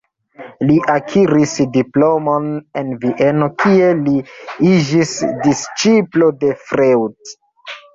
Li akiris diplomon en Vieno, kie li iĝis disĉiplo de Freud.